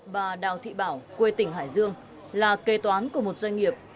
bà đào thị bảo quê tỉnh hải dương là kê toán của một doanh nghiệp